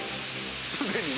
すでにね。